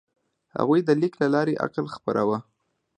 هغوی د لیک له لارې عقل خپراوه.